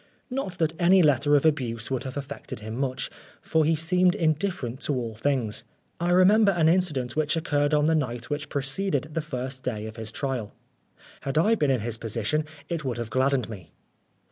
Not that any letter of abuse would have affected him much, for he seemed in different to all things. I remember an in cident which occurred on the night which preceded the first day of his trial. Had I been in his position it would have gladdened me.